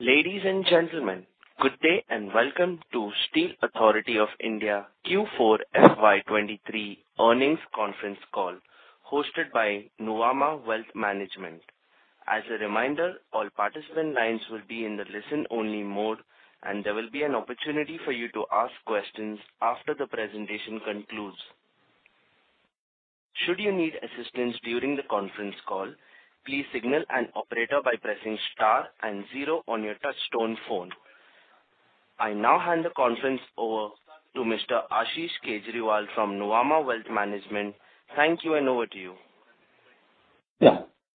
Ladies and gentlemen, good day, and welcome to Steel Authority of India Q4 FY23 earnings conference call, hosted by Nuvama Wealth Management. As a reminder, all participant lines will be in the listen-only mode, and there will be an opportunity for you to ask questions after the presentation concludes. Should you need assistance during the conference call, please signal an operator by pressing star and zero on your touchtone phone. I now hand the conference over to Mr. Ashish Kejriwal from Nuvama Wealth Management. Thank you, and over to you.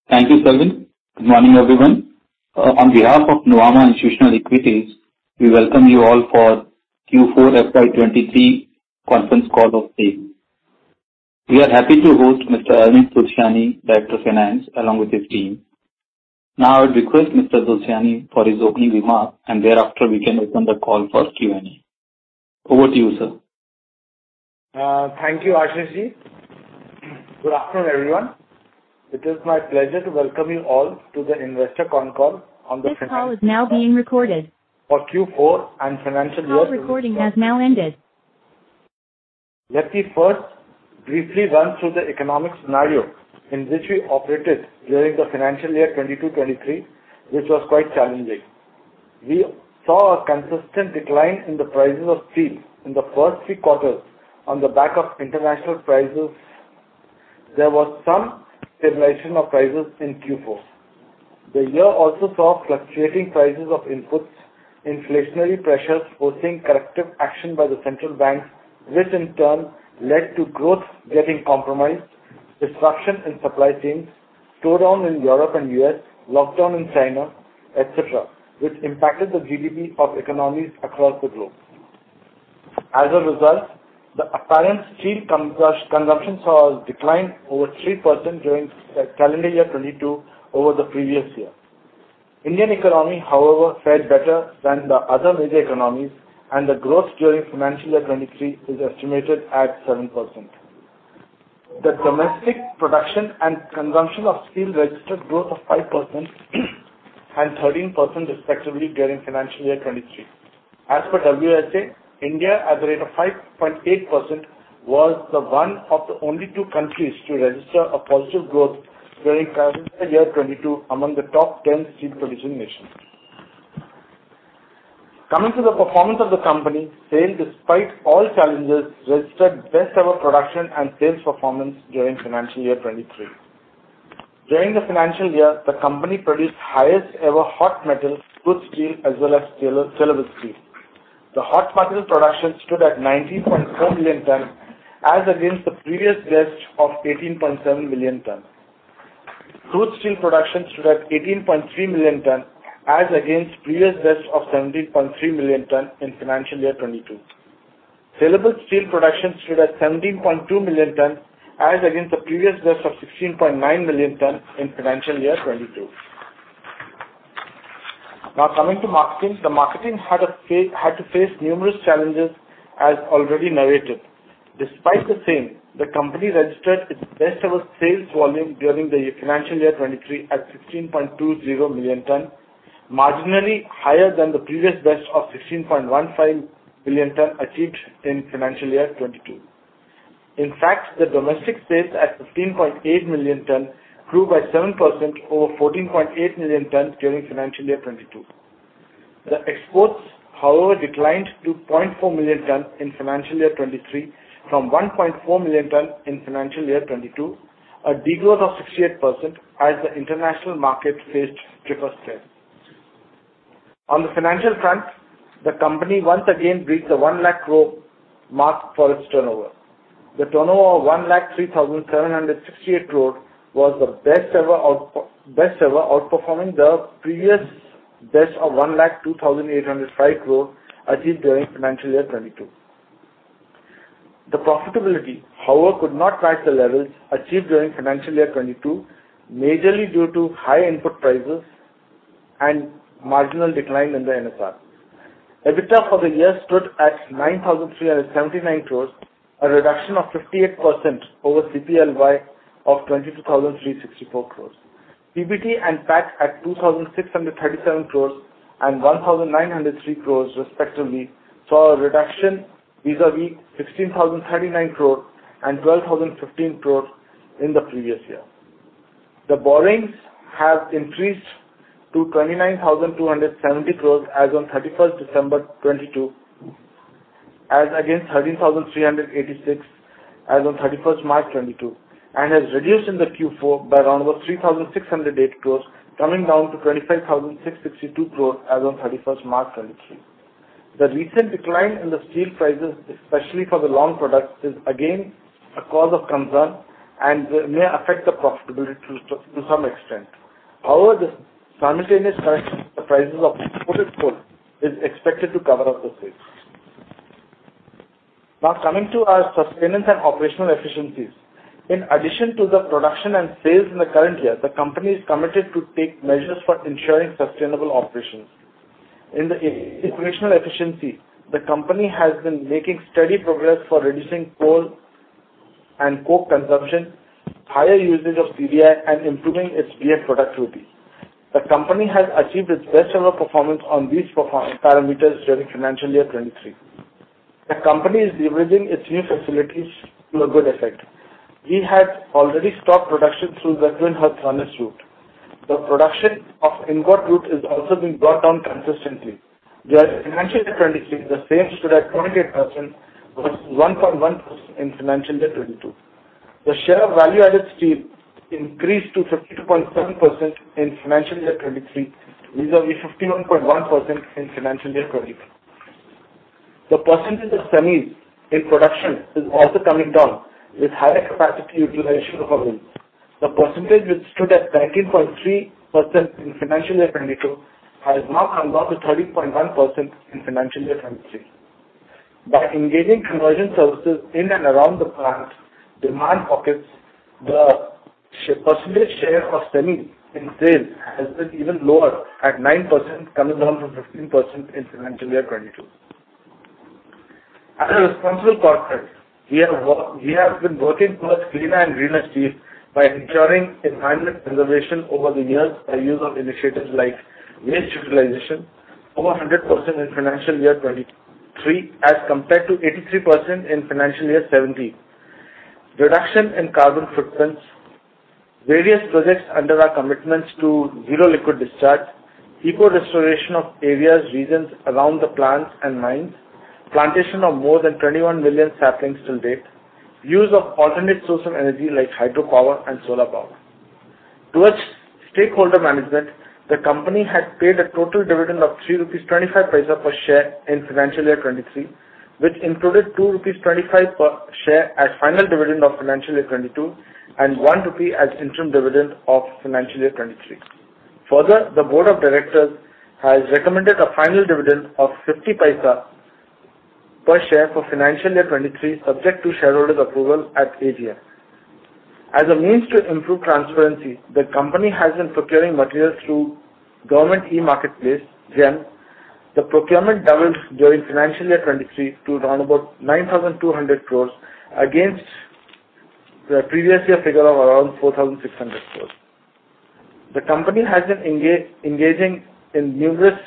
Thank you, Selvin. Good morning, everyone. On behalf of Nuvama Institutional Equities, we welcome you all for Q4 FY23 conference call of SAIL. We are happy to host Mr. Anil Tulsiani, Director of Finance, along with his team. I would request Mr. Tulsiani for his opening remarks, and thereafter, we can open the call for Q&A. Over to you, sir. Thank you, Ashish Ji. Good afternoon, everyone. It is my pleasure to welcome you all to the investor con call- For Q4 and financial year- Let me first briefly run through the economic scenario in which we operated during the financial year 2022, 2023, which was quite challenging. We saw a consistent decline in the prices of steel in the first three quarters on the back of international prices. There was some stabilization of prices in Q4. The year also saw fluctuating prices of inputs, inflationary pressures forcing corrective action by the central banks, which in turn led to growth getting compromised, disruption in supply chains, slowdown in Europe and U.S., lockdown in China, et cetera, which impacted the GDP of economies across the globe. As a result, the apparent steel consumption saw a decline over 3% during the calendar year 2022 over the previous year. Indian economy, however, fared better than the other major economies. The growth during financial year 2023 is estimated at 7%. The domestic production and consumption of steel registered growth of 5% and 13%, respectively, during financial year 2023. As per WSA, India, at the rate of 5.8%, was the one of the only two countries to register a positive growth during calendar year 2022 among the top 10 steel-producing nations. Coming to the performance of the company, SAIL, despite all challenges, registered best ever production and sales performance during financial year 2023. During the financial year, the company produced highest ever hot metal, crude steel, as well as saleable steel. The hot metal production stood at 19.4 million tons, as against the previous best of 18.7 million tons. Crude steel production stood at 18.3 million tons, as against previous best of 17.3 million tons in financial year 2022. Saleable steel production stood at 17.2 million tons, as against the previous best of 16.9 million tons in financial year 2022. Coming to marketing. The marketing had to face numerous challenges, as already narrated. Despite the same, the company registered its best ever sales volume during the financial year 2023 at 16.20 million tons, marginally higher than the previous best of 16.15 million tons achieved in financial year 2022. The domestic sales at 15.8 million tons grew by 7% over 14.8 million tons during financial year 2022. The exports, however, declined to 0.4 million tons in financial year 2023 from 1.4 million tons in financial year 2022, a degrowth of 68% as the international market faced stiffer sales. On the financial front, the company once again reached the 1 lakh crore mark for its turnover. The turnover of 1,03,768 crore was the best ever, outperforming the previous best of 1,02,805 crore, achieved during financial year 2022. The profitability, however, could not match the levels achieved during financial year 2022, majorly due to high input prices and marginal decline in the NSR. EBITDA for the year stood at 9,379 crore, a reduction of 58% over CPLY of 22,364 crore. PBT and PAT at 2,637 crore and 1,903 crore, respectively, saw a reduction vis-a-vis 16,039 crore and 12,015 crore in the previous year. The borrowings have increased to 29,270 crore as on 31st December 2022, as against 13,386 as on 31st March 2022, and has reduced in the Q4 by around about 3,608 crore, coming down to 25,662 crore as on 31st March 2023. The recent decline in the steel prices, especially for the long products, is again a cause of concern and may affect the profitability to some extent. The simultaneous prices of exported coal is expected to cover up the sales. Coming to our sustenance and operational efficiencies. In addition to the production and sales in the current year, the company is committed to take measures for ensuring sustainable operations. In the operational efficiency, the company has been making steady progress for reducing coal and coke consumption, higher usage of CDI and improving its BF productivity. The company has achieved its best ever performance on these performance parameters during financial year 2023. The company is leveraging its new facilities to a good effect. We had already stopped production through the twin-hearth furnace route. The production of ingot route is also being brought down consistently. During financial year 2023, the same stood at 0.8%, versus 1.1% in financial year 2022. The share of value-added steel increased to 52.7% in financial year 2023, vis-a-vis 51.1% in financial year 2022. The percentage of semis in production is also coming down with higher capacity utilization of our units. The percentage, which stood at 19.3% in financial year 2022, has now come down to 13.1% in financial year 2023. By engaging conversion services in and around the plant demand pockets, the percentage share of semis in sales has been even lower at 9%, coming down from 15% in financial year 2022. As a responsible corporate, we have been working towards cleaner and greener steel by ensuring environment preservation over the years by use of initiatives like waste utilization, over 100% in financial year 2023, as compared to 83% in financial year 2017. Reduction in carbon footprints, various projects under our commitments to zero liquid discharge, eco restoration of areas, regions around the plants and mines, plantation of more than 21 million saplings till date, use of alternate source of energy like hydropower and solar power. Towards stakeholder management, the company has paid a total dividend of 3.25 rupees per share in financial year 2023, which included 2.25 rupees per share as final dividend of financial year 2022, and 1 rupee as interim dividend of financial year 2023. The board of directors has recommended a final dividend of 0.50 per share for financial year 2023, subject to shareholders' approval at AGM. As a means to improve transparency, the company has been procuring materials through Government e-Marketplace, GeM. The procurement doubled during financial year 2023 to around about 9,200 crore, against the previous year figure of around 4,600 crore. The company has been engaging in numerous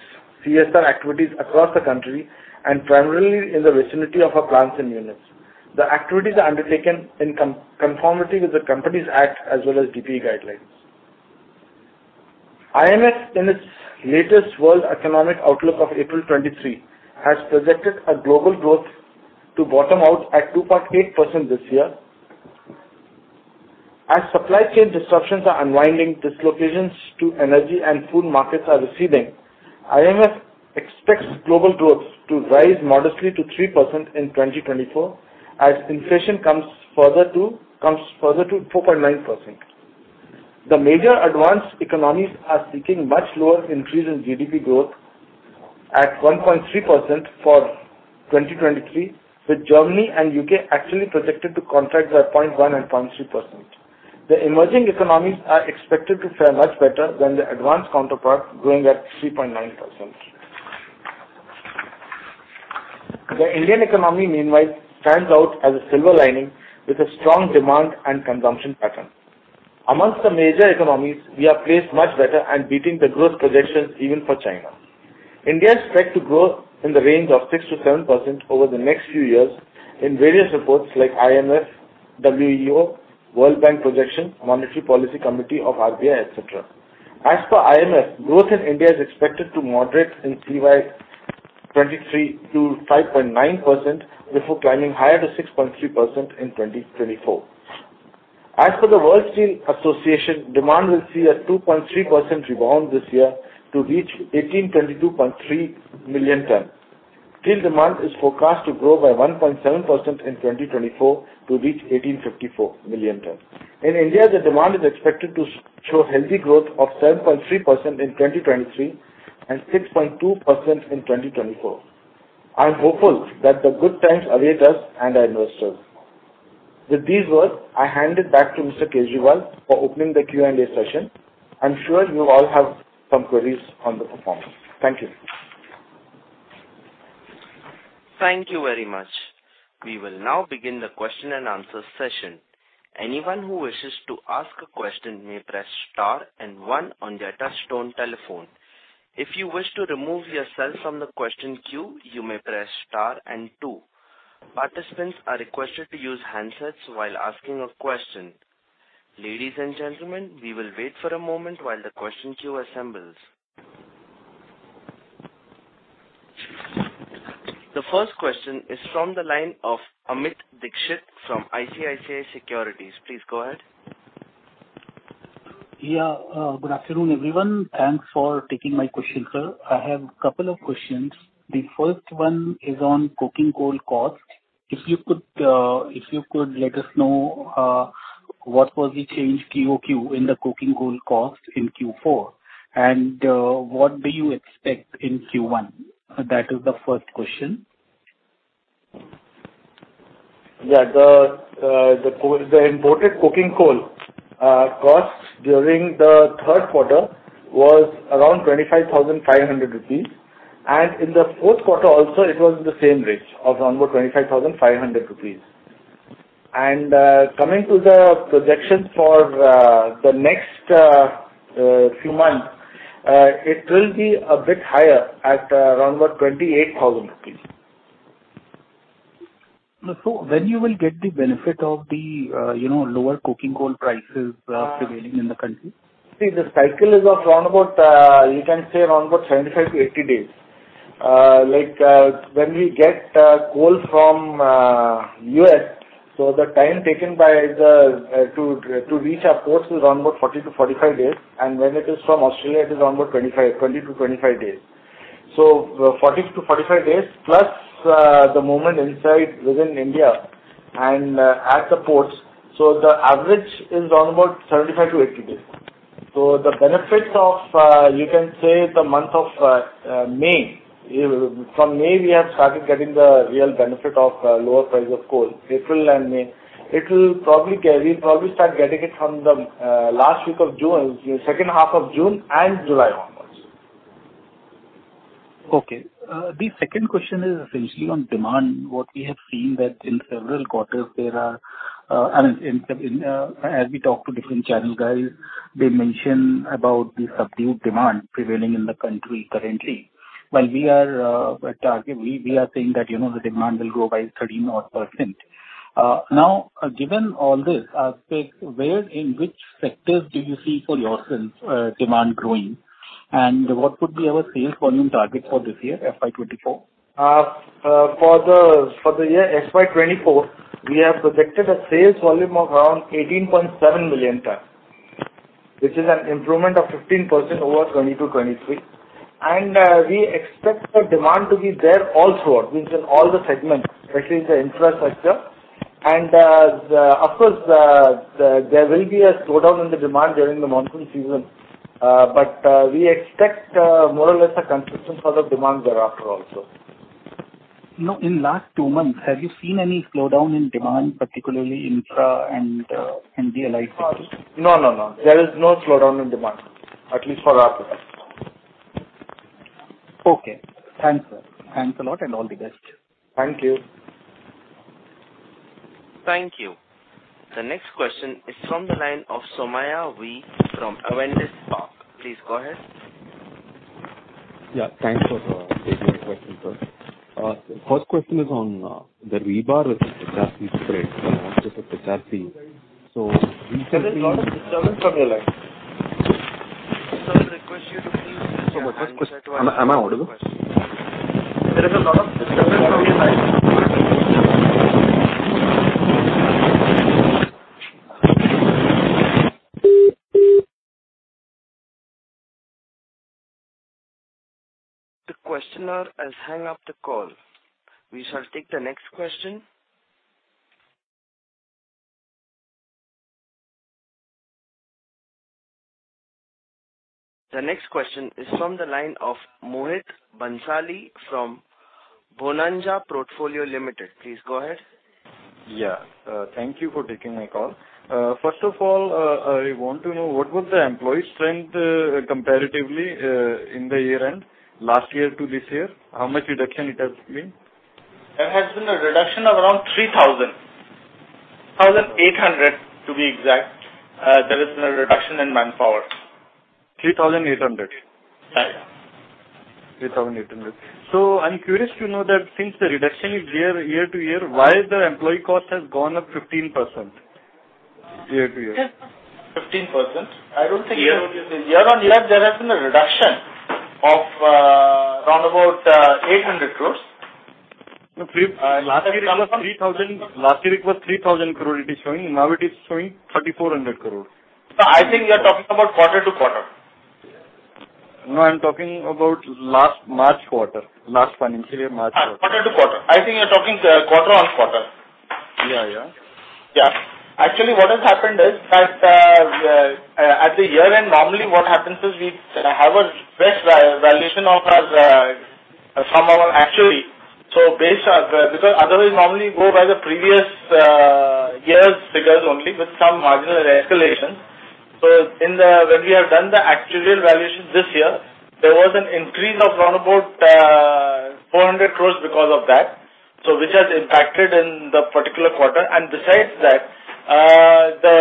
CSR activities across the country and primarily in the vicinity of our plants and units. The activities are undertaken in conformity with the Companies Act as well as DPE guidelines. IMF, in its latest World Economic Outlook of April 2023, has projected a global growth to bottom out at 2.8% this year. As supply chain disruptions are unwinding, dislocations to energy and food markets are receding. IMF expects global growth to rise modestly to 3% in 2024, as inflation comes further to 4.9%. The major advanced economies are seeking much lower increase in GDP growth at 1.3% for 2023, with Germany and U.K. actually projected to contract by 0.1% and 0.3%. The emerging economies are expected to fare much better than their advanced counterparts, growing at 3.9%. The Indian economy, meanwhile, stands out as a silver lining, with a strong demand and consumption pattern. Amongst the major economies, we are placed much better and beating the growth projections even for China. India is expected to grow in the range of 6%-7% over the next few years in various reports like IMF, WEO, World Bank projection, Monetary Policy Committee of RBI, et cetera. As per IMF, growth in India is expected to moderate in CY 2023 to 5.9%, before climbing higher to 6.3% in 2024. As per the World Steel Association, demand will see a 2.3% rebound this year to reach 1,822.3 million tons. Steel demand is forecast to grow by 1.7% in 2024 to reach 1,854 million tons. In India, the demand is expected to show healthy growth of 7.3% in 2023 and 6.2% in 2024. I'm hopeful that the good times await us and our investors. With these words, I hand it back to Mr. Kejriwal for opening the Q&A session. I'm sure you all have some queries on the performance. Thank you. Thank you very much. We will now begin the question and answer session. Anyone who wishes to ask a question may press star and one on your touchtone telephone. If you wish to remove yourself from the question queue, you may press star and two. Participants are requested to use handsets while asking a question. Ladies and gentlemen, we will wait for a moment while the question queue assembles. The first question is from the line of Amit Dixit from ICICI Securities. Please go ahead. Good afternoon, everyone. Thanks for taking my question, sir. I have a couple of questions. The first one is on coking coal cost. If you could let us know what was the change QoQ in the coking coal cost in Q4, and what do you expect in Q1? That is the first question. Yeah, the coal, the imported coking coal cost during the third quarter was around 25,500 rupees, and in the fourth quarter also, it was the same range of around about 25,500 rupees. Coming to the projections for the next few months, it will be a bit higher at around about 28,000 rupees. When you will get the benefit of the, you know, lower coking coal prices, prevailing in the country? See, the cycle is of round about, you can say around about 75-80 days. Like, when we get coal from U.S., so the time taken by the to reach our ports is around about 40-45 days, and when it is from Australia, it is around about 20-25 days. 40-45 days, plus the movement inside within India and, at the ports, so the average is around about 75-80 days. The benefits of, you can say the month of May. From May, we have started getting the real benefit of lower price of coal, April and May. We'll probably start getting it from the last week of June, second half of June and July onwards. Okay. The second question is essentially on demand. What we have seen that in several quarters, there are, I mean, in, as we talk to different channel guys, they mention about the subdued demand prevailing in the country currently. While we are, at target, we are saying that, you know, the demand will grow by 13 odd %. Now, given all this, say, where in which sectors do you see for yourself, demand growing? What would be our sales volume target for this year, FY24? For the year FY24, we have projected a sales volume of around 18.7 million tons, which is an improvement of 15% over 2022-2023. We expect the demand to be there also, which is all the segments, especially the infrastructure. Of course, there will be a slowdown in the demand during the monsoon season, but we expect more or less a consistent sort of demand thereafter also. In last two months, have you seen any slowdown in demand, particularly infra and allied sectors? No, no. There is no slowdown in demand, at least for our products. Okay. Thanks, sir. Thanks a lot, and all the best. Thank you. Thank you. The next question is from the line of Somaiah V from Avendus Spark. Please go ahead. Yeah, thanks for taking my question, sir. First question is on the rebar There is a lot of disturbance from your line. Sir, I request you to please- My first question, am I audible? The questioner has hang up the call. We shall take the next question. The next question is from the line of Mohit Bhansali from Bonanza Portfolio Limited. Please go ahead. Yeah, thank you for taking my call. First of all, I want to know what was the employee strength, comparatively, in the year end, last year to this year? How much reduction it has been? There has been a reduction of around 3,800, to be exact, there has been a reduction in manpower. 3,800? Yeah. 3,800. I'm curious to know that since the reduction is year-to-year, why the employee cost has gone up 15% year-to-year? 15%? I don't think- Yeah. Year on year, there has been a reduction of, around about, 800 crore. Last year it was 3,000 crore it is showing, now it is showing 3,400 crore. I think you are talking about quarter to quarter. I'm talking about last March quarter, last financial year, March quarter. Quarter to quarter. I think you're talking, quarter on quarter. Yeah, yeah. Yeah. Actually, what has happened is that at the year end, normally what happens is we have a best actuarial valuation of our from our actually. Based on. Because otherwise, normally go by the previous year's figures only, with some marginal escalation. When we have done the actuarial valuation this year, there was an increase of around about 400 crore because of that, so which has impacted in the particular quarter. Besides that, the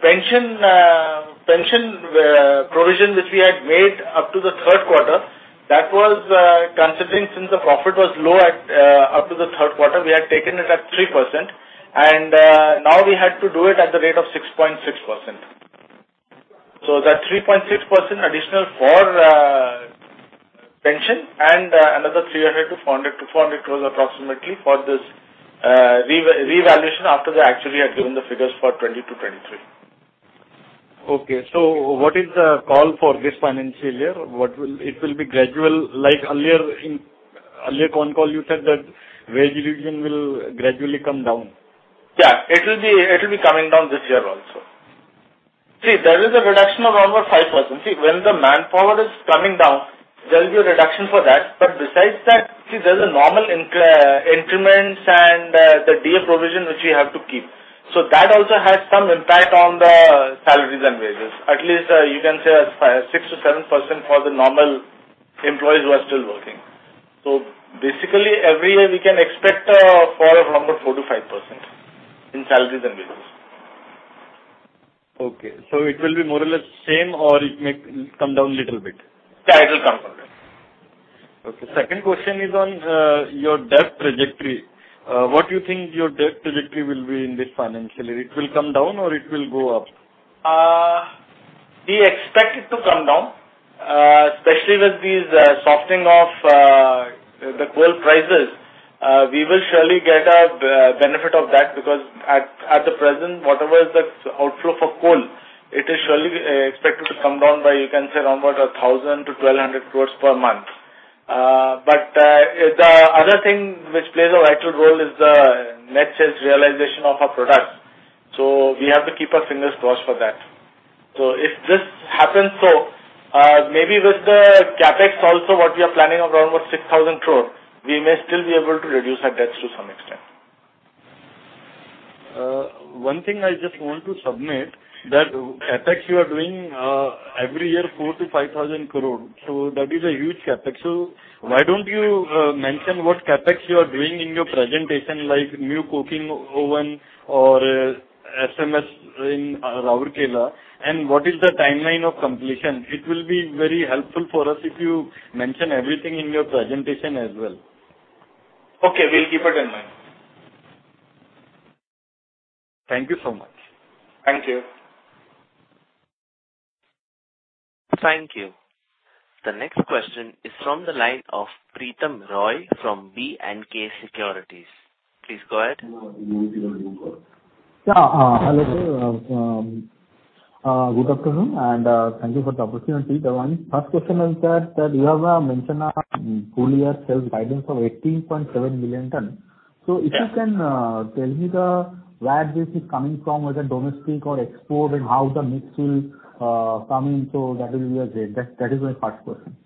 pension provision, which we had made up to the third quarter, that was considering since the profit was low at up to the third quarter, we had taken it at 3%, and now we had to do it at the rate of 6.6%. That 3.6% additional for pension and another 300 crore-400 crore approximately for this revaluation after they actually had given the figures for 2020-2023. Okay. What is the call for this financial year? It will be gradual, like earlier in earlier con call, you said that wage revision will gradually come down. It will be coming down this year also. There is a reduction of around 5%. When the manpower is coming down, there will be a reduction for that, besides that, there's a normal increments and the DA provision which we have to keep. That also has some impact on the salaries and wages. At least, you can say, 6%-7% for the normal employees who are still working. Basically, every year we can expect a fall of around 4%-5% in salaries and wages. Okay, it will be more or less same, or it may come down little bit? Yeah, it will come down. Okay. Second question is on your debt trajectory. What do you think your debt trajectory will be in this financial year? It will come down or it will go up? We expect it to come down, especially with these softening of the coal prices. We will surely get a benefit of that, because at the present, whatever is the outflow for coal, it is surely expected to come down by, you can say, around about 1,000 crore-1,200 crore per month. The other thing which plays a vital role is the net sales realization of our products. We have to keep our fingers crossed for that. If this happens so, maybe with the CapEx also, what we are planning around about 6,000 crore, we may still be able to reduce our debts to some extent. One thing I just want to submit, that CapEx you are doing every year, 4,000 crore- 5,000 crore, that is a huge CapEx. Why don't you mention what CapEx you are doing in your presentation, like new coke oven or SMS in Rourkela, and what is the timeline of completion? It will be very helpful for us if you mention everything in your presentation as well. Okay, we'll keep it in mind. Thank you so much. Thank you. Thank you. The next question is from the line of Pratim Roy from B&K Securities. Please go ahead. Yeah, hello there. Good afternoon, thank you for the opportunity. The one first question is that you have mentioned a full year sales guidance of 18.7 million ton. If you can tell me where this is coming from, whether domestic or export, and how the mix will come in, that will be great. That is my first question.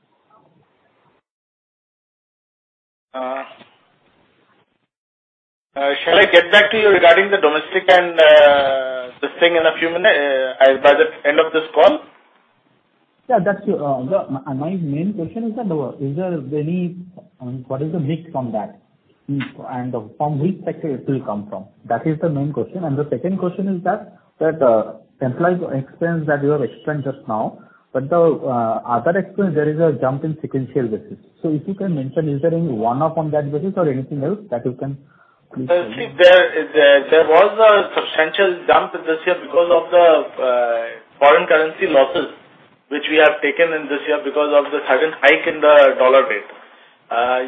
Shall I get back to you regarding the domestic and this thing in a few minute by the end of this call? Yeah, that's true. My main question is that, is there any, what is the mix from that? From which sector it will come from? That is the main question. The second question is that, employee expense that you have explained just now, but the other expense, there is a jump in sequential basis. If you can mention, is there any one-off on that basis or anything else that you can please tell me? See, there was a substantial jump this year because of the foreign currency losses, which we have taken in this year because of the sudden hike in the USD rate.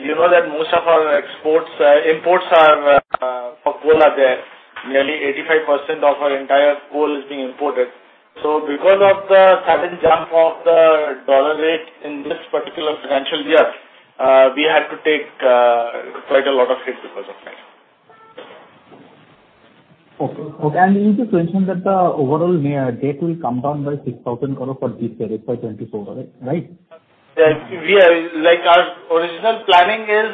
You know that most of our exports, imports are for coal are there. Nearly 85% of our entire coal is being imported. Because of the sudden jump of the USD rate in this particular financial year, we had to take quite a lot of hit because of that. Okay, okay. You just mentioned that the overall net debt will come down by 6,000 crore for this year, FY24, correct, right? We are, like, our original planning is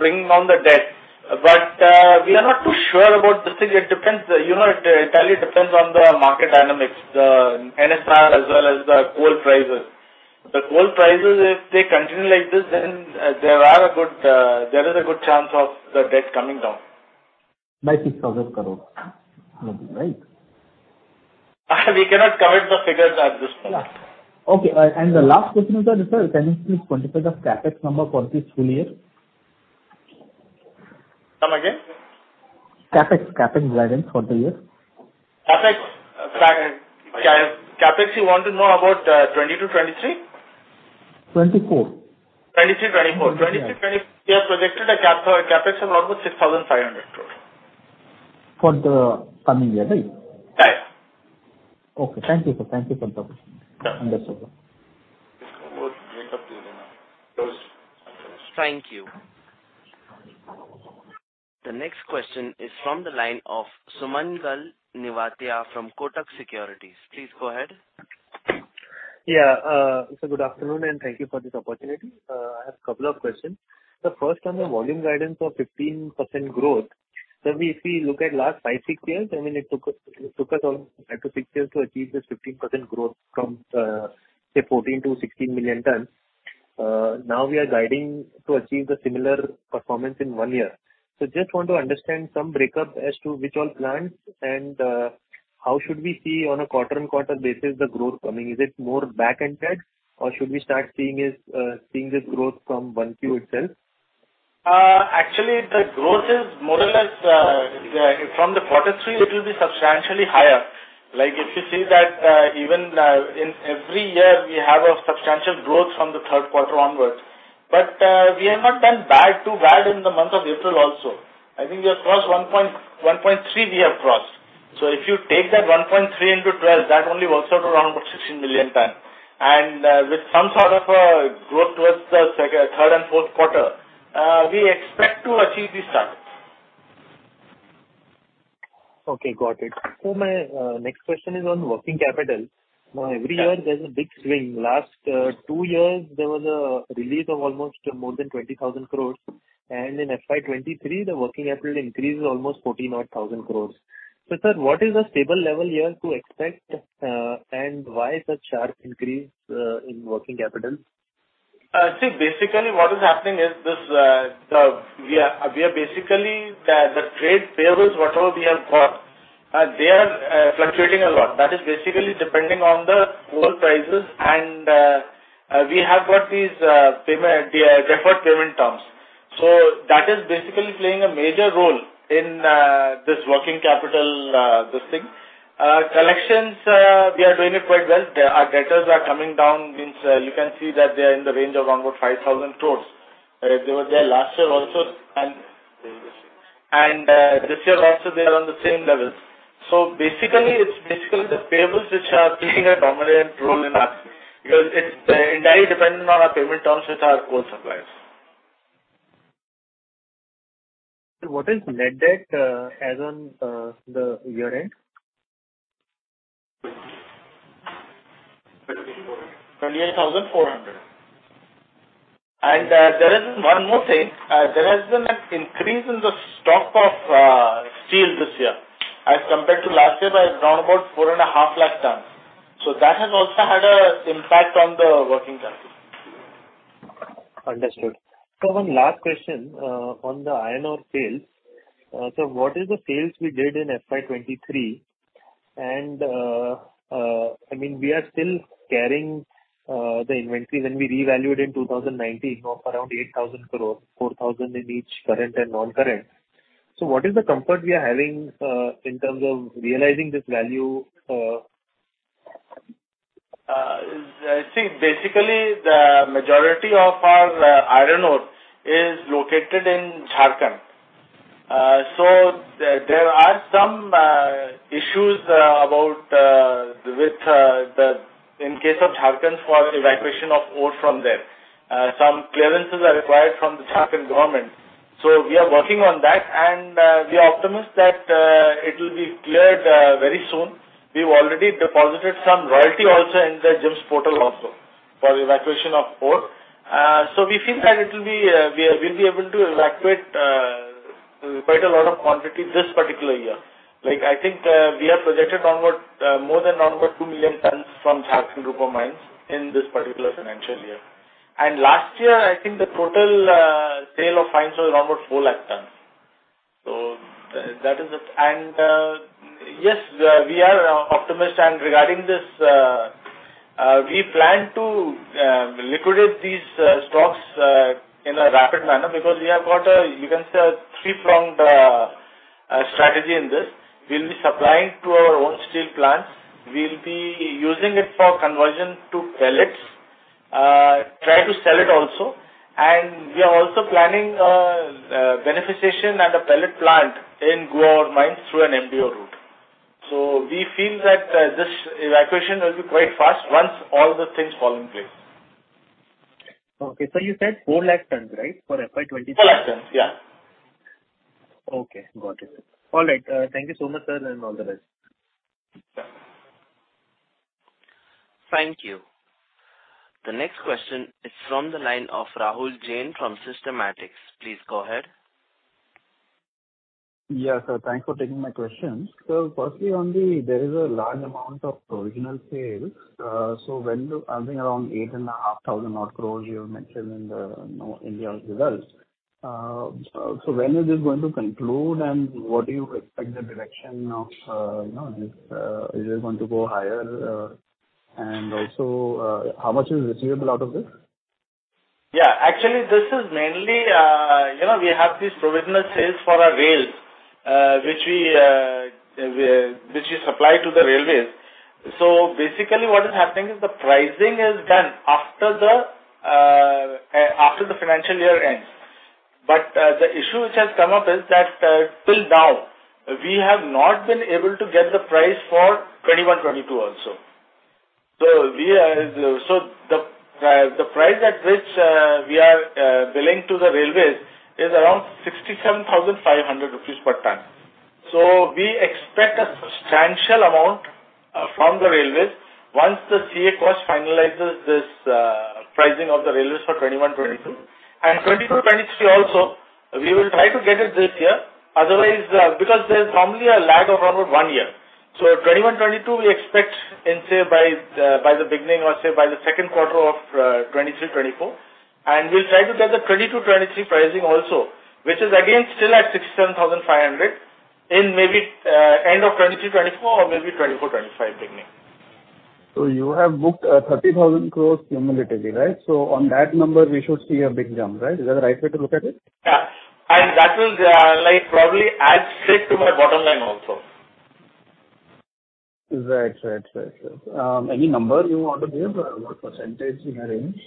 bringing down the debt, but we are not too sure about this thing. It depends, you know, it entirely depends on the market dynamics, the NSR as well as the coal prices. The coal prices, if they continue like this, then there is a good chance of the debt coming down. By 6,000 crore, right? We cannot commit the figures at this point. Okay, the last question is that, sir, can you please quantify the CapEx number for this full year? Come again? CapEx guidance for the year. CapEx, you want to know about 2022, 2023? 2024. 2023, 2024. We have projected a CapEx of about 6,500 crore. For the coming year, right? Right. Okay. Thank you, sir. Thank you for the conversation. Yeah. Understood. Thank you. The next question is from the line of Sumangal Nevatia from Kotak Securities. Please go ahead. Good afternoon and thank you for this opportunity. I have a couple of questions. The first one, the volume guidance of 15% growth. If we look at last five, six years, I mean, it took us on five to six years to achieve this 15% growth from, say, 14 million-16 million tons. Now we are guiding to achieve the similar performance in one year. Just want to understand some breakup as to which all plants, and how should we see on a quarter-on-quarter basis, the growth coming? Is it more back-ended, or should we start seeing this growth from 1Q itself? Actually, the growth is more or less, from the quarter three, it will be substantially higher. If you see that, even in every year, we have a substantial growth from the third quarter onwards. We have not done bad, too bad in the month of April also. I think we have crossed 1.3 we have crossed. If you take that 1.3 into 12, that only works out to around about 16 million ton. With some sort of a growth towards the second, third and fourth quarter, we expect to achieve this target. Okay, got it. My next question is on working capital. Every year there's a big swing. Last, two years, there was a release of almost more than 20,000 crore, and in FY23, the working capital increased almost 14,000 odd crore. Sir, what is the stable level here to expect, and why such sharp increase, in working capital? See, basically, what is happening is this, the, we are basically the trade payables, whatever we have got, they are fluctuating a lot. That is basically depending on the coal prices, we have got these payment, deferred payment terms. That is basically playing a major role in this working capital, this thing. Collections, we are doing it quite well. Our debtors are coming down, means, you can see that they are in the range of onward 5,000 crore. They were there last year also, and this year also they are on the same level. Basically, it's basically the payables which are playing a dominant role in us, because it's entirely dependent on our payment terms with our core suppliers. What is net debt, as on, the year-end? 28,400. There is one more thing. There has been an increase in the stock of steel this year. As compared to last year, there is now about 4.5 lakh tons. That has also had a impact on the working capital. Understood. One last question on the iron ore sales. What is the sales we did in FY23? I mean, we are still carrying the inventory when we revalued in 2019 of around 8,000 crore, 4,000 in each current and non-current. What is the comfort we are having in terms of realizing this value? See, basically, the majority of our iron ore is located in Jharkhand. There are some issues about with the in case of Jharkhand for evacuation of ore from there. Some clearances are required from the Jharkhand government, we are working on that, and we are optimistic that it will be cleared very soon. We've already deposited some royalty also in the GeMS portal also for evacuation of ore. We feel that it will be we'll be able to evacuate quite a lot of quantity this particular year. Like, I think, we have projected more than onward 2 million tons from Jharkhand group of mines in this particular financial year. Last year, I think the total sale of fines was around about 4 lakh tons. That is it. Yes, we are optimist, and regarding this, we plan to liquidate these stocks in a rapid manner, because we have got a, you can say, a three-pronged strategy in this. We'll be supplying to our own steel plants. We'll be using it for conversion to pellets, try to sell it also. We are also planning a beneficiation and a pellet plant in Goa mines through an MDO route. We feel that this evacuation will be quite fast once all the things fall in place. Okay. You said 4 lakh tons, right, for FY23? 4 lakh tons, yeah. Okay, got it. All right, thank you so much, sir, and all the best. Yeah. Thank you. The next question is from the line of Rahul Jain from Systematix. Please go ahead. Yeah, sir. Thanks for taking my questions. Firstly, on the, there is a large amount of provisional sales. I think around 8,500 odd crore you mentioned in the, you know, India results. When is this going to conclude, and what do you expect the direction of, you know, this, is it going to go higher? Also, how much is receivable out of this? Actually, this is mainly, you know, we have these provisional sales for our rails, which we supply to the railways. Basically, what is happening is the pricing is done after the financial year ends. The issue which has come up is that till now, we have not been able to get the price for 2021, 2022 also. The price at which we are billing to the railways is around 67,500 rupees per ton. We expect a substantial amount from the Railways once the CA cost finalizes this pricing of the railways for 2021, 2022. 2022, 2023 also, we will try to get it this year. Otherwise, because there's normally a lag of around one year. 2021, 2022, we expect in, say, by the beginning or, say, by the second quarter of 2023, 2024. We'll try to get the 2022, 2023 pricing also, which is again still at 67,500, in maybe end of 2023, 2024 or maybe 2024, 2025 beginning. You have booked, 30,000 crore cumulatively, right? On that number, we should see a big jump, right? Is that the right way to look at it? Yeah. That will, like, probably add straight to my bottom line also. Right. Any number you want to give or what percentage in a range?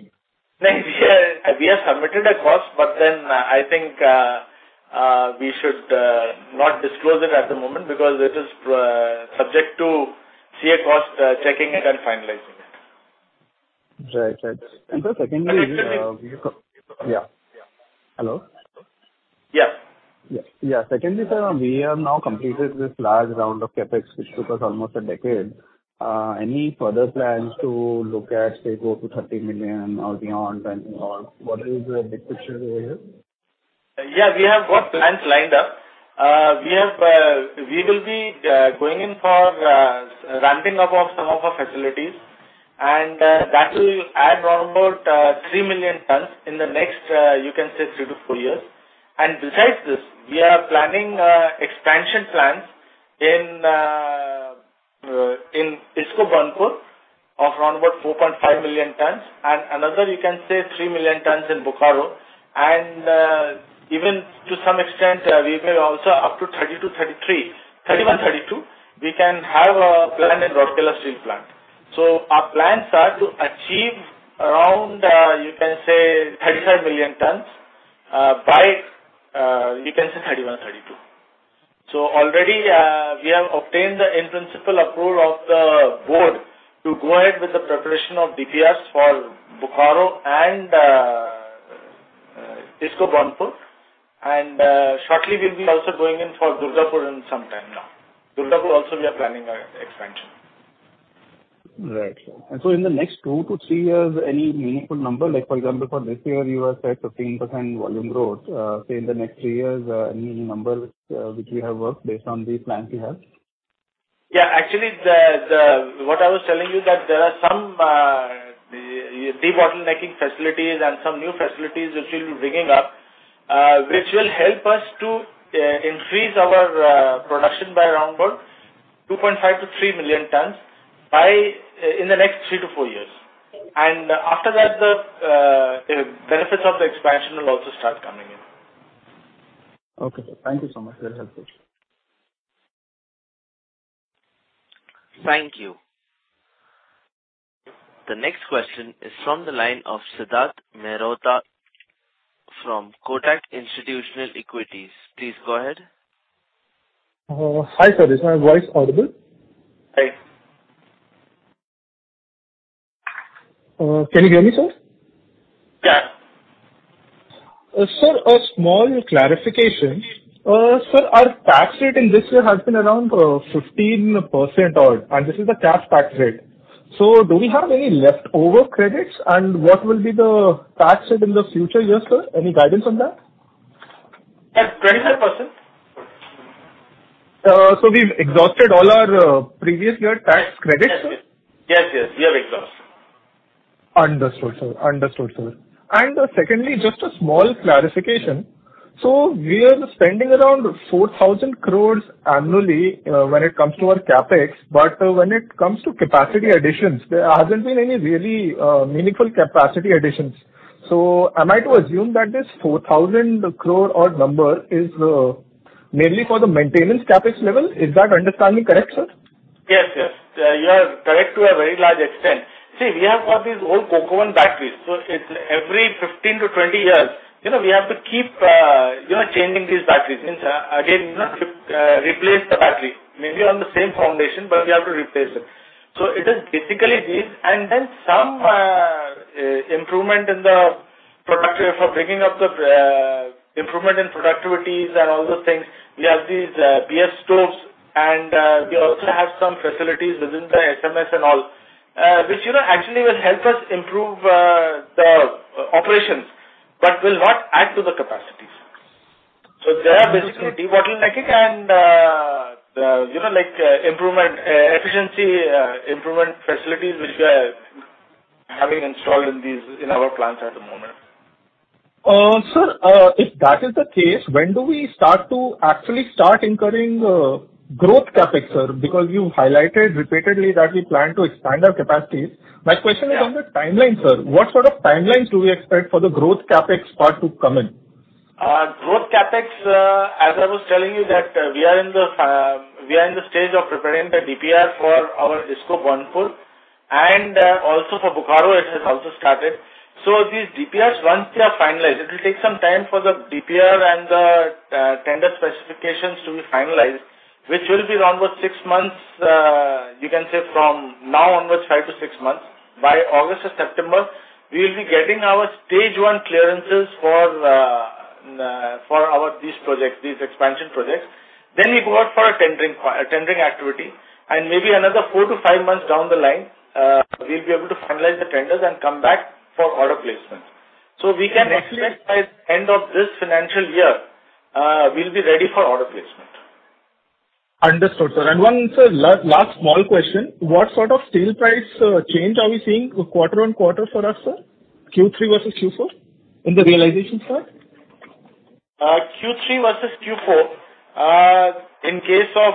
We have submitted a cost, but then, I think, we should not disclose it at the moment because it is subject to CA cost checking it and finalizing. Right, right. Secondly, yeah. Hello? Yes. Yeah, secondly, sir, we have now completed this large round of CapEx, which took us almost a decade. Any further plans to look at, say, go to 30 million or beyond, and what is the big picture over here? Yeah, we have got plans lined up. We will be going in for ramping up of some of our facilities, and that will add around about 3 million tons in the next three to four years. Besides this, we are planning expansion plans in IISCO Burnpur of around about 4.5 million tons, and another, you can say, 3 million tons in Bokaro. Even to some extent, we may also up to 2030-2033, 2031, 2032, we can have a plan in Rourkela Steel Plant. Our plans are to achieve around 35 million tons by 2031, 2032. Already, we have obtained the in-principle approval of the board to go ahead with the preparation of DPRs for Bokaro and IISCO Burnpur. Shortly we'll be also going in for Durgapur in some time now. Durgapur also we are planning an expansion. Right. In the next two to three years, any meaningful number, like, for example, for this year, you have said 15% volume growth. Say, in the next three years, any number which we have worked based on these plans you have? Actually, what I was telling you that there are some debottlenecking facilities and some new facilities which we'll be bringing up, which will help us to increase our production by around about 2.5 million-3 million tons in the next three to four years. After that, the benefits of the expansion will also start coming in. Okay, sir. Thank you so much. Very helpful. Thank you. The next question is from the line of Siddharth Mehrotra from Kotak Institutional Equities. Please go ahead. Hi, sir. Is my voice audible? Hi. Can you hear me, sir? Yeah. Sir, a small clarification. Sir, our tax rate in this year has been around 15% odd, and this is the cash tax rate. Do we have any leftover credits, and what will be the tax rate in the future years, sir? Any guidance on that? At 25%. We've exhausted all our previous year tax credits? Yes, yes. We have exhausted. Understood, sir. Understood, sir. Secondly, just a small clarification. We are spending around 4,000 crore annually when it comes to our CapEx, but when it comes to capacity additions, there hasn't been any really meaningful capacity additions. Am I to assume that this 4,000 crore odd number is mainly for the maintenance CapEx level? Is that understanding correct, sir? Yes. You are correct to a very large extent. We have got these old coke oven batteries, it's every 15 to 20 years, you know, we have to keep, you know, changing these batteries. Again, you know, replace the battery, maybe on the same foundation, we have to replace it. It is basically this, some improvement in the productivity for bringing up the improvement in productivities and all those things. We have these BF Stoves, we also have some facilities within the SMS and all, which, you know, actually will help us improve the operations, will not add to the capacities. They are basically debottlenecking and, you know, like, efficiency improvement facilities which we are having installed in these, in our plants at the moment. Sir, if that is the case, when do we start to actually start incurring, growth CapEx, sir? You highlighted repeatedly that we plan to expand our capacities. My question is on the timeline, sir. What sort of timelines do we expect for the growth CapEx part to come in? Growth CapEx, as I was telling you, that we are in the stage of preparing the DPR for our IISCO Burnpur, and also for Bokaro, it has also started. These DPRs, once they are finalized, it will take some time for the DPR and the tender specifications to be finalized, which will be around about six months, you can say from now onwards, five to six months. By August or September, we will be getting our stage one clearances for our these projects, these expansion projects. We go out for a tendering activity, and maybe another four to five months down the line, we'll be able to finalize the tenders and come back for order placement. We can expect by end of this financial year, we'll be ready for order placement. Understood, sir. One, sir, last small question: What sort of steel price change are we seeing quarter on quarter for us, sir, Q3 versus Q4, in the realization, sir? Q3 versus Q4, in case of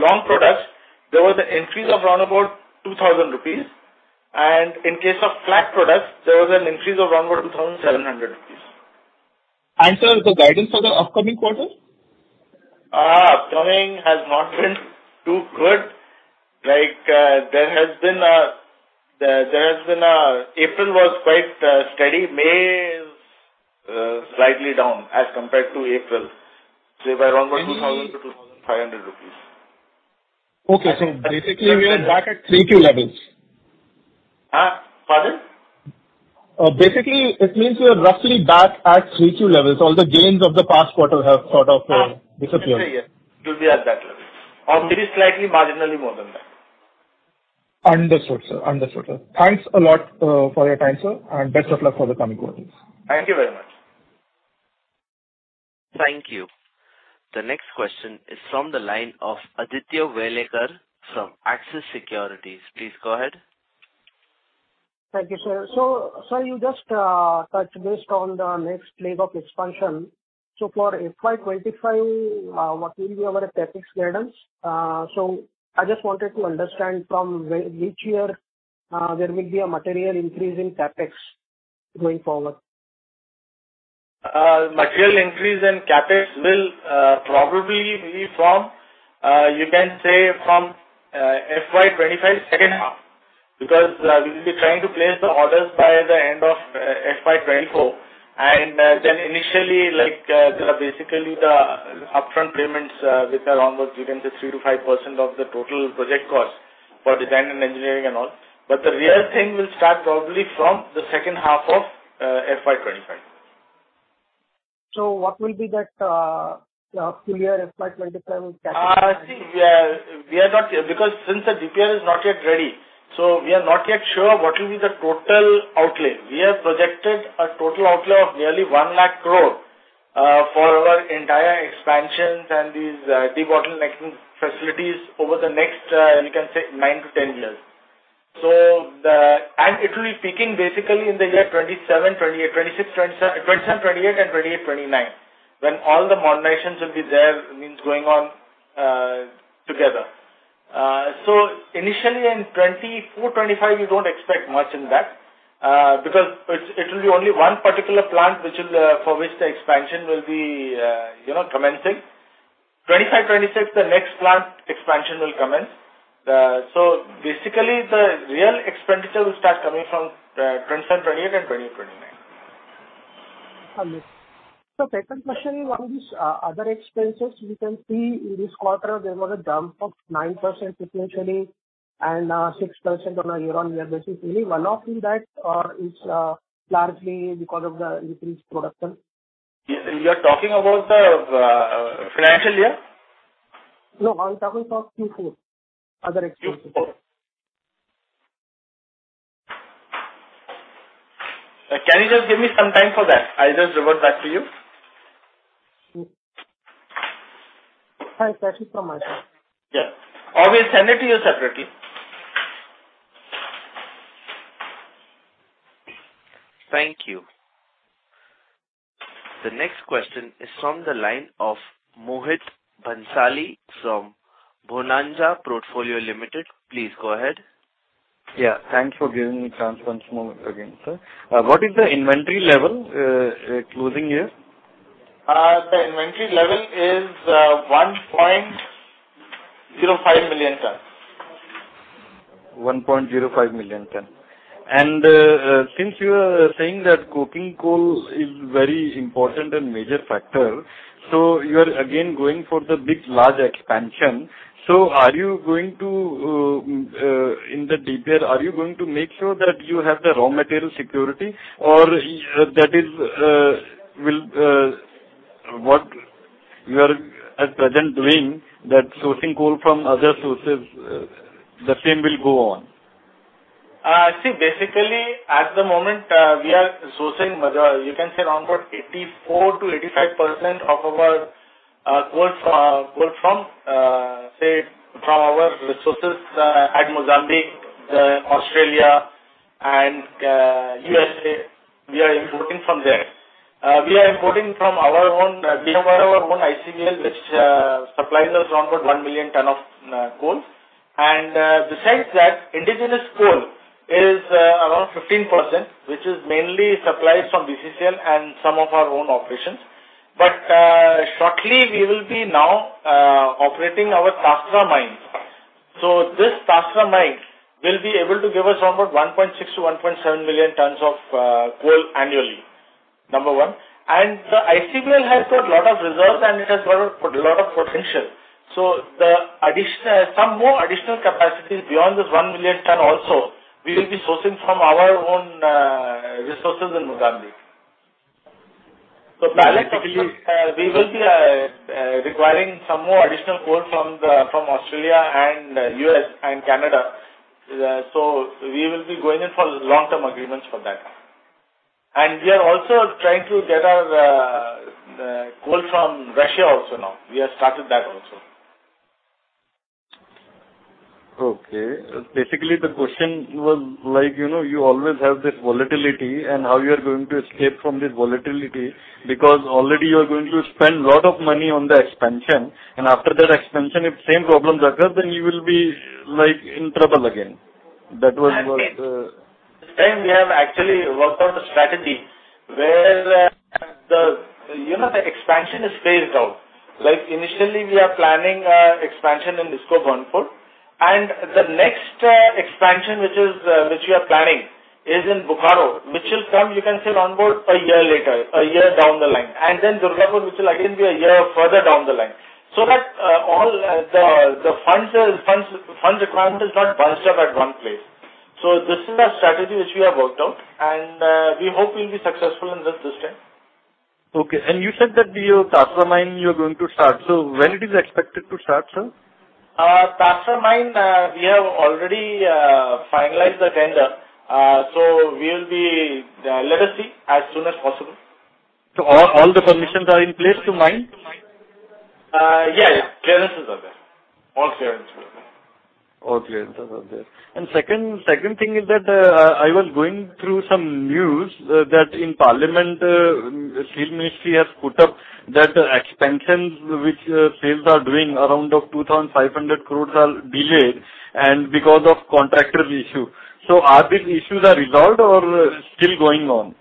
long products, there was an increase of around about 2,000 rupees, and in case of flat products, there was an increase of around about 2,700 rupees. Sir, the guidance for the upcoming quarter? Upcoming has not been too good. Like, there has been a. April was quite steady. May slightly down as compared to April. By around about 2,000-2,500 rupees. Okay, basically we are back at 3Q levels. pardon? Basically, it means we are roughly back at 3Q levels. All the gains of the past quarter have sort of disappeared. Yes, it will be at that level or very slightly, marginally more than that. Understood, sir. Understood, sir. Thanks a lot, for your time, sir, and best of luck for the coming quarters. Thank you very much. Thank you. The next question is from the line of Aditya Welekar from Axis Securities. Please go ahead. Thank you, sir. Sir, you just touched based on the next wave of expansion. For FY25, what will be our CapEx guidance? I just wanted to understand from which year there will be a material increase in CapEx going forward? Material increase in CapEx will probably be from, you can say from, FY25 second half, because we will be trying to place the orders by the end of FY24. Then initially, like, basically the upfront payments, which are almost between the 3%-5% of the total project cost for design and engineering and all. The real thing will start probably from the second half of FY25. What will be that full year FY25 CapEx? See, we are not yet, because since the DPR is not yet ready, we are not yet sure what will be the total outlay. We have projected a total outlay of nearly 1 lakh crore for our entire expansions and these debottlenecking facilities over the next, you can say, nine to 10 years. The... It will be peaking basically in the year 2027, 2028, 2026, 2027, 2028 and 2028-2029, when all the modernizations will be there, means going on together. Initially in 2024-2025, you don't expect much in that, because it's, it will be only one particular plant which will, for which the expansion will be, you know, commencing. 2025-2026, the next plant expansion will commence. Basically the real expenditure will start coming from 2027, 2028, and 2028, 2029. Understood. second question, one is, other expenses. We can see in this quarter there was a dump of 9% sequentially and, 6% on a year-on-year basis. Is any one of that or is largely because of the increased production? You are talking about the financial year? No, I'm talking about Q4, other expenses. Q4. Can you just give me some time for that? I'll just revert back to you. Thanks, that is so much. Yeah. We'll send it to you separately. Thank you. The next question is from the line of Mohit Bhansali from Bonanza Portfolio Limited. Please go ahead. Thanks for giving me a chance once more again, sir. What is the inventory level, closing here? The inventory level is 1.05 million tons. 1.05 million ton. Since you are saying that coking coal is very important and major factor, you are again going for the big, large expansion. Are you going to in the DPR, are you going to make sure that you have the raw material security or that is will what you are at present doing, that sourcing coal from other sources, the same will go on? See, basically, at the moment, we are sourcing major, you can say around about 84%-85% of our coal from our resources at Mozambique, Australia and USA. We are importing from there. We are importing from our own, we have our own ICVL, which supplies us around about 1 million ton of coal. Besides that, indigenous coal is around 15%, which is mainly supplies from BCCL and some of our own operations. Shortly we will be now operating our Tasra mine. This Tasra mine will be able to give us around about 1.6 million tons-1.7 million tons of coal annually, number one. The ICVL has got a lot of reserves, and it has got a lot of potential. The addition, some more additional capacities beyond this 1 million ton also, we will be sourcing from our own resources in Mozambique. Parallel to this, we will be requiring some more additional coal from Australia and U.S. and Canada. We will be going in for long-term agreements for that. We are also trying to get our coal from Russia also now. We have started that also. Okay. Basically, the question was like, you know, you always have this volatility and how you are going to escape from this volatility, because already you are going to spend a lot of money on the expansion, and after that expansion, if same problems occur, then you will be, like, in trouble again. That was what. This time we have actually worked on the strategy where, you know, the expansion is phased out. Like, initially, we are planning expansion in IISCO Burnpur. The next expansion, which is, which we are planning, is in Bokaro, which will come, you can say around about a year later, a year down the line, and then Durgapur, which will again be a year further down the line. So that all the funds, fund requirement is not bunched up at one place. This is our strategy which we have worked out, and we hope we'll be successful in this time. Okay. You said that the Tasra mine, you are going to start. When it is expected to start, sir? Tasra mine, we have already finalized the tender. We will be, let us see, as soon as possible. All the permissions are in place to mine? Yeah. Clearances are there. All clearance are there. All clearances are there. Second thing is that I was going through some news that in parliament, Steel Ministry has put up that the expansions which sales are doing around of 2,500 crore are delayed and because of contractor issue. Are these issues are resolved or still going on?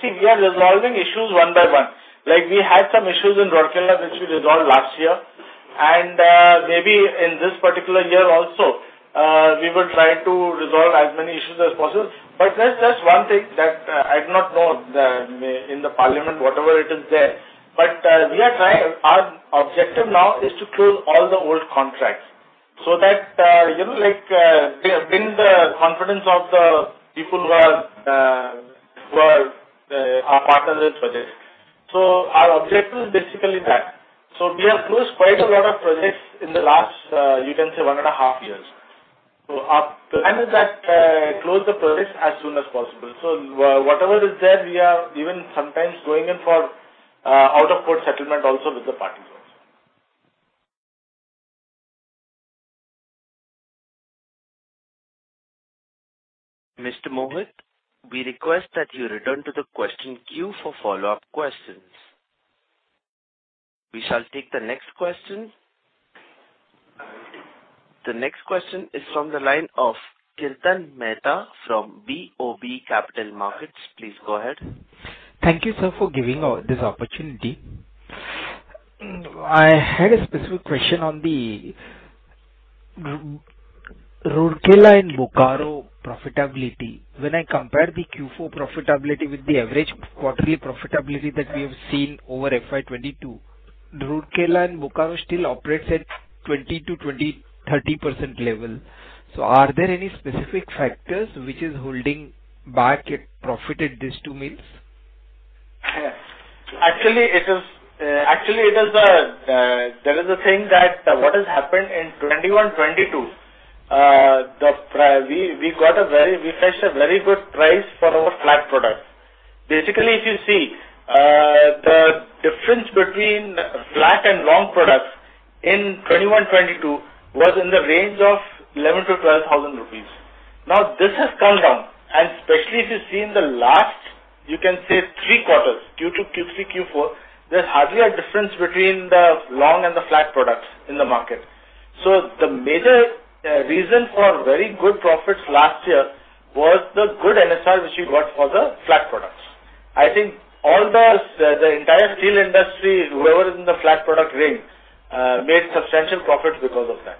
See, we are resolving issues one by one. Like, we had some issues in Rourkela, which we resolved last year, and maybe in this particular year also, we will try to resolve as many issues as possible. That's just one thing that I do not know the, in the parliament, whatever it is there, but we are trying. Our objective now is to close all the old contracts, so that, you know, like, we bring the confidence of the people who are, who are, our partners in projects. Our objective is basically that. We have closed quite a lot of projects in the last, you can say, one and a half years. Our plan is that, close the projects as soon as possible. Whatever is there, we are even sometimes going in for out-of-court settlement also with the parties also. Mr. Mohit, we request that you return to the question queue for follow-up questions. We shall take the next question. The next question is from the line of Kirtan Mehta from BOB Capital Markets. Please go ahead. Thank you, sir, for giving us this opportunity. I had a specific question on the Rourkela and Bokaro profitability. When I compare the Q4 profitability with the average quarterly profitability that we have seen over FY22, Rourkela and Bokaro still operates at 20%-30% level. Are there any specific factors which is holding back it profited these two mills? Yes. There is a thing that what has happened in 2021, 2022, we got a very good price for our flat products. Basically, if you see, the difference between flat and long products in 2021, 2022 was in the range of 11,000-12,000 rupees. Now, this has come down, and especially if you see in the last, you can say three quarters, Q2 to Q3, Q4, there's hardly a difference between the long and the flat products in the market. So the major reason for very good profits last year was the good NSR which we got for the flat products. I think the entire steel industry, whoever is in the flat product range, made substantial profits because of that.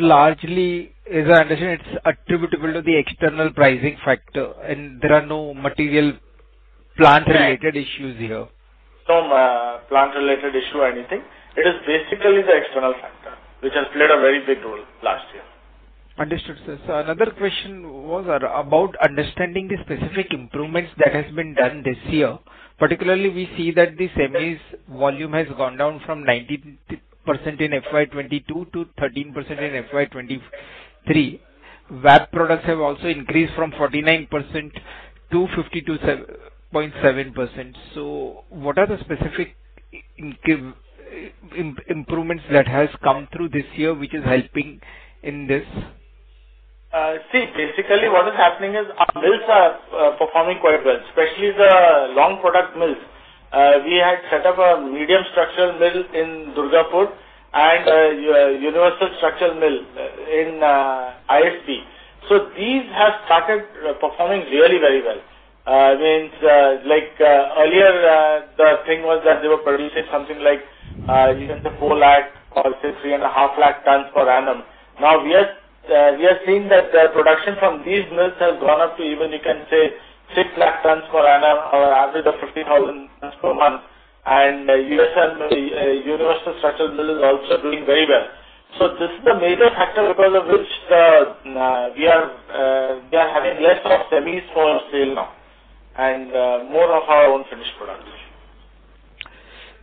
Largely, as I understand, it's attributable to the external pricing factor, and there are no material plant-related issues here? No, plant-related issue or anything. It is basically the external factor, which has played a very big role last year. Understood, sir. Another question was about understanding the specific improvements that has been done this year. Particularly, we see that the semis volume has gone down from 19% in FY22 to 13% in FY23. VAP products have also increased from 49% to 52.7%. What are the specific improvements that has come through this year, which is helping in this? See, basically, what is happening is our mills are performing quite well, especially the long product mills. We had set up a medium structural mill in Durgapur and a universal structural mill in ISP. These have started performing really very well. Means, like, earlier, the thing was that they were producing something like, you can say 4 lakh or, say, 3.5 lakh tons per annum. Now, we are seeing that the production from these mills has gone up to even, you can say, 6 lakh tons per annum or average of 50,000 tons per month. USM, universal structural mill, is also doing very well. This is the major factor because of which, we are having less of semis for sale now, and more of our own finished products.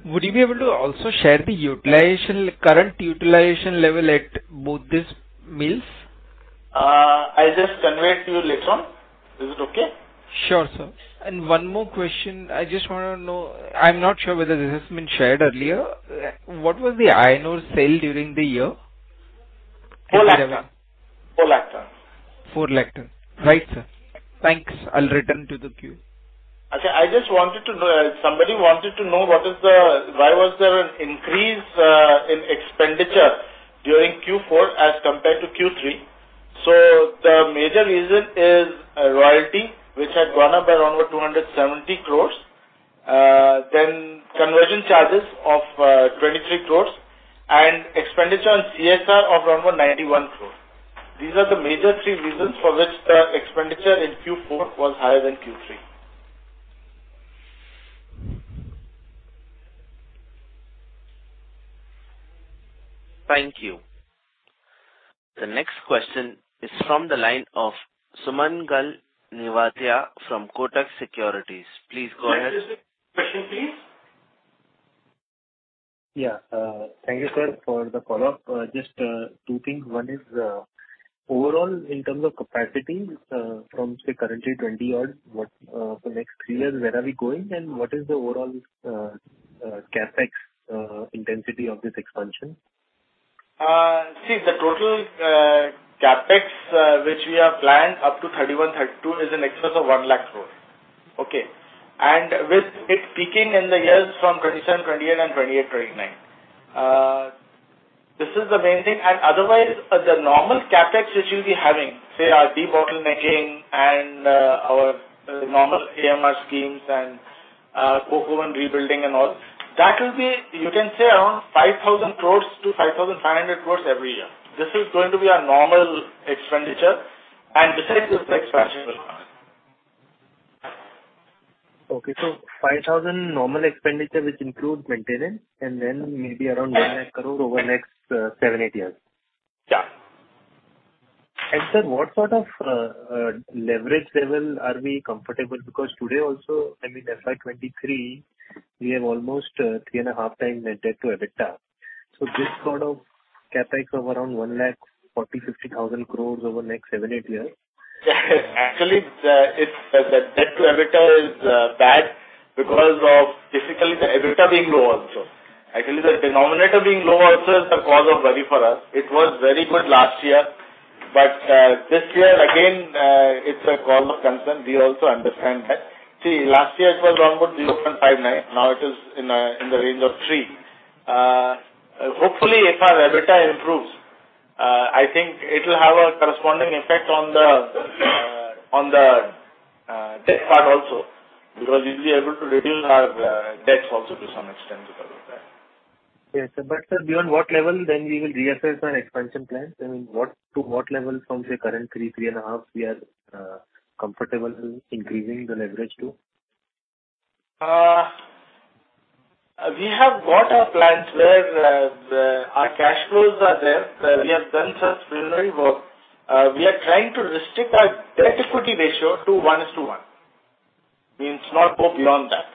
Would you be able to also share the utilization, current utilization level at both these mills? I'll just convey it to you later on. Is it okay? Sure, sir. One more question. I just want to know. I'm not sure whether this has been shared earlier. What was the iron ore sale during the year? 4 lakh ton. 4 lakh ton. Right, sir. Thanks. I'll return to the queue. Okay. I just wanted to know, somebody wanted to know what is the why was there an increase in expenditure during Q4 as compared to Q3? The major reason is royalty, which had gone up by around about 270 crore. Then conversion charges of 23 crore and expenditure on CSR of around about 91 crore. These are the major three reasons for which the expenditure in Q4 was higher than Q3. Thank you. The next question is from the line of Sumangal Nevatia from Kotak Securities. Please go ahead. Yes, question, please. Thank you, sir, for the follow-up. Just two things. One is, overall, in terms of capacity, from, say, currently 20 odds, what, for next three years, where are we going? What is the overall CapEx intensity of this expansion? See, the total CapEx which we have planned up to 2031, 2032, is in excess of 1 lakh crore. Okay? With it peaking in the years from 2027, 2028 and 2028, 2029. This is the main thing, otherwise, the normal CapEx which you'll be having, say, our debottlenecking and our normal EMR schemes and coke oven rebuilding and all, that will be, you can say, around 5,000 crore-5,500 crore every year. This is going to be our normal expenditure besides this expansion will come. Okay, 5,000 normal expenditure, which includes maintenance, and then maybe around 1 lakh crore over the next seven, eight years? Yeah. Sir, what sort of leverage level are we comfortable? Because today also, I mean, FY23, we have almost 3.5x net debt-to-EBITDA. This sort of CapEx of around 140,000 crore-150,000 crore over the next seven, eight years. Actually, the debt-to-EBITDA is bad because of basically the EBITDA being low also. Actually, the denominator being low also is a cause of worry for us. It was very good last year, this year, again, it's a cause of concern. We also understand that. See, last year it was around about 0.59, now it is in the range of three. Hopefully, if our EBITDA improves, I think it will have a corresponding effect on the debt part also, because we'll be able to reduce our debts also to some extent because of that. Yes, sir. Sir, beyond what level, then we will reassess our expansion plans, and what, to what level from the current three and a half years comfortable in increasing the leverage to? We have got our plans where our cash flows are there. We have done such preliminary work. We are trying to restrict our debt-to-equity ratio to one is to one, means not go beyond that.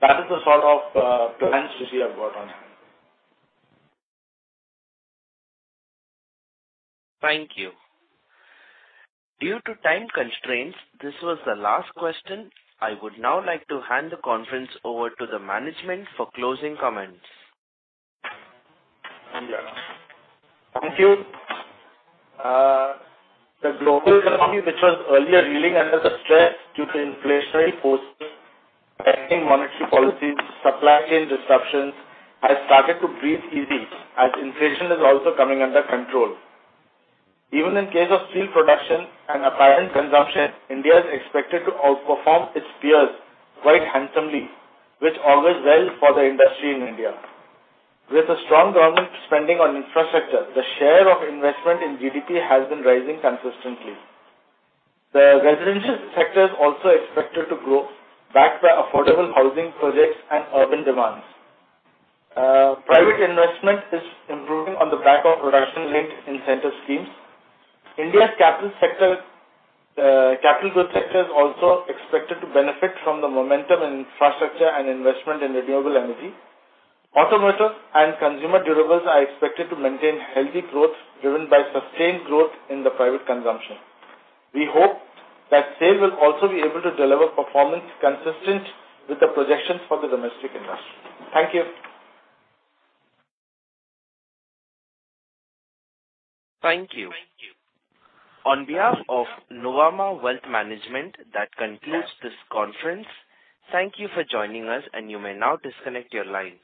That is the sort of plans which we have got on hand. Thank you. Due to time constraints, this was the last question. I would now like to hand the conference over to the management for closing comments. Thank you. The global economy, which was earlier reeling under the stress due to inflationary forces, tightening monetary policies, supply chain disruptions, has started to breathe easy as inflation is also coming under control. Even in case of steel production and apparent consumption, India is expected to outperform its peers quite handsomely, which augurs well for the industry in India. With a strong government spending on infrastructure, the share of investment in GDP has been rising consistently. The residential sector is also expected to grow, backed by affordable housing projects and urban demands. Private investment is improving on the back of production-linked incentive schemes. India's capital sector, capital goods sector is also expected to benefit from the momentum in infrastructure and investment in renewable energy. Automotive and consumer durables are expected to maintain healthy growth, driven by sustained growth in the private consumption. We hope that SAIL will also be able to deliver performance consistent with the projections for the domestic industry. Thank you. Thank you. On behalf of Nuvama Wealth Management, that concludes this conference. Thank you for joining us, and you may now disconnect your lines.